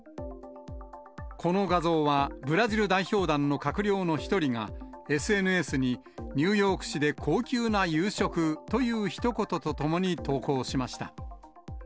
この画像は、ブラジル代表団の閣僚の一人が、ＳＮＳにニューヨーク市で高級な夕食というひと言とともに投稿しました。